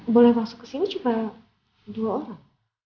boleh masuk kesini juga dua orang